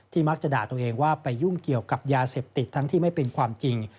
มักจะด่าตัวเองว่าไปยุ่งเกี่ยวกับยาเสพติดทั้งที่ไม่เป็นความจริง